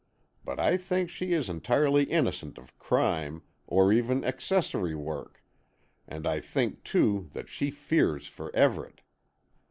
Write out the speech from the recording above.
But I think she is entirely innocent of crime, or even accessory work, and I think, too, that she fears for Everett.